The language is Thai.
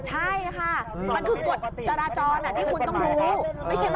ใช่ค่ะมันคือกฎจราจรที่คุณต้องรู้